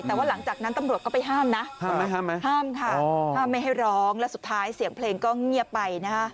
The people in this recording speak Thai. แต่ว่าหลังจากนั้นตำรวจก็ไปห้ามนะห้ามค่ะห้ามไม่ให้ร้องและสุดท้ายเสียงเพลงก็เงียบไปนะฮะ